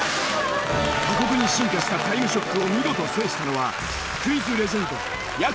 過酷に進化した『タイムショック』を見事制したのはクイズレジェンドやくみつる。